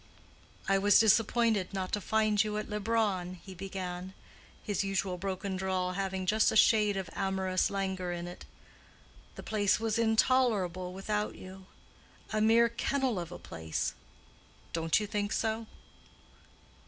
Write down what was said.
"I was disappointed not to find you at Leubronn," he began, his usual broken drawl having just a shade of amorous languor in it. "The place was intolerable without you. A mere kennel of a place. Don't you think so?"